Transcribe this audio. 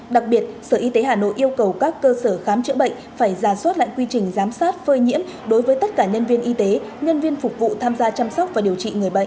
đặc biệt sở y tế hà nội yêu cầu các cơ sở khám chữa bệnh phải ra soát lại quy trình giám sát phơi nhiễm đối với tất cả nhân viên y tế nhân viên phục vụ tham gia chăm sóc và điều trị người bệnh